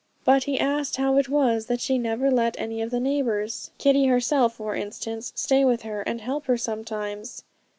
But he asked how it was she never let any of the neighbours, Kitty herself, for instance, stay with her, and help her sometimes.